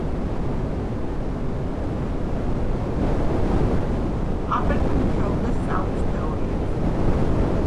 პაპერტი მუშაობდა სწავლის თეორიებზე.